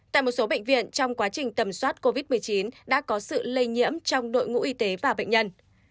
tại một số bệnh viện trong quá trình tầm soát covid một mươi chín đã có sự lây nhiễm trong đội ngũ y tế và bệnh nhân